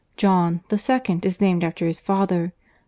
John, the second, is named after his father.